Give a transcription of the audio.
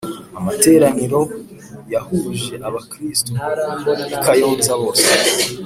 amateraniro yahuje aba kristu bikayonza bose